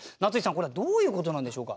これはどういうことなんでしょうか？